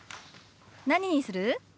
何にする？